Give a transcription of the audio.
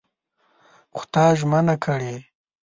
خو تا ژمنه کړې!